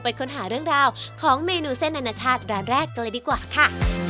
ค้นหาเรื่องราวของเมนูเส้นอนาชาติร้านแรกกันเลยดีกว่าค่ะ